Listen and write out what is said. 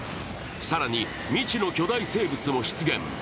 更に未知の巨大生物も出現。